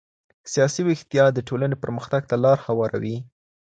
سياسي ويښتيا د ټولني پرمختګ ته لار هواروي.